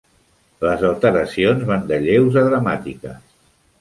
Les alteracions van de lleus a dramàtiques.